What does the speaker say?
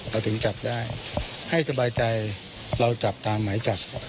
เราถึงจับได้ให้สบายใจเราจับตามหมายจับ